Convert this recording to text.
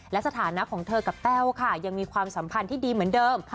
และสถานะของเธอกับแต้วค่ะยังมีความสัมพันธ์ที่ดีเหมือนเดิม